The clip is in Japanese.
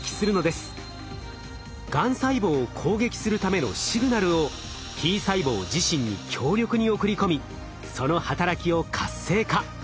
がん細胞を攻撃するためのシグナルをＴ細胞自身に強力に送り込みその働きを活性化。